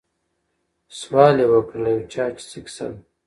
سوال یې وکړ له یو چا چي څه کیسه ده